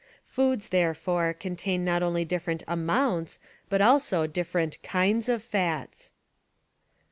Foods, therefore, contain not only different amounts but also different kinds of fats.